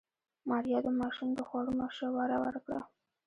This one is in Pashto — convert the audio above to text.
ماريا د ماشوم د خوړو مشوره ورکړه.